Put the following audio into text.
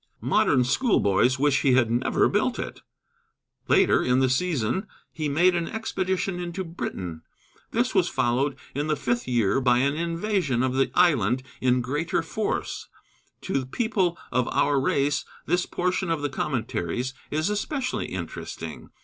Modern schoolboys wish he had never built it. Later in the season he made an expedition into Britain. This was followed in the fifth year by an invasion of the island in greater force. To people of our race this portion of the Commentaries is especially interesting.